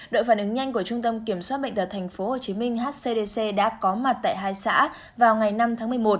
đội phản ứng nhanh của trung tâm kiểm soát bệnh tật tp hcm hcdc đã có mặt tại hai xã vào ngày năm tháng một mươi một